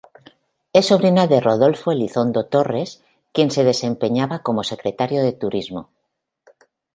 Es sobrina de Rodolfo Elizondo Torres, quien se desempeñaba como Secretario de Turismo.